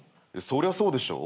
そりゃそうでしょ。